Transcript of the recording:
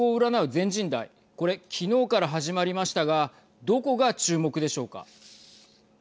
全人代これ、昨日から始まりましたがどこが注目でしょうか。